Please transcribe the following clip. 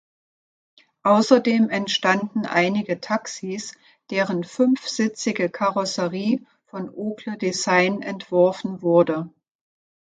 Außerdem entstanden einige Taxis, deren fünfsitzige Karosserie von Ogle Design entworfen wurde.